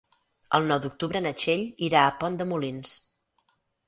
El nou d'octubre na Txell irà a Pont de Molins.